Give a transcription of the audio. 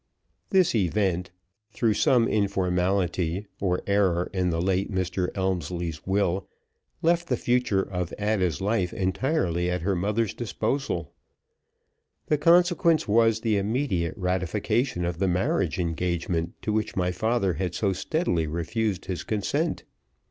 This event, through some informality or error in the late Mr. Elmslie's will, left the future of Ada's life entirely at her mother's disposal. The consequence was the immediate ratification of the marriage engagement to which my father had so steadily refused his consent.